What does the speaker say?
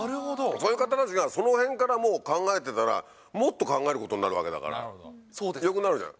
そういう方たちが、そのへんからもう考えてたら、もっと考えることになるわけだから、よくなるじゃない。